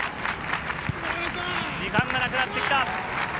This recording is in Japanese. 時間がなくなってきた。